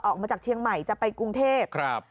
ออกมาจากเชียงใหม่จะไปกรุงเทพครับ